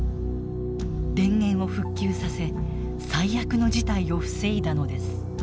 電源を復旧させ最悪の事態を防いだのです。